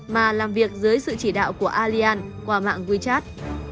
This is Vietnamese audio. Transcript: mà làm việc dưới sự chỉ đạo của allian qua mạng wechat